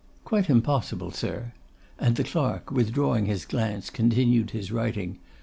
'Quite impossible, sir;' and the clerk, withdrawing his glance, continued his writing.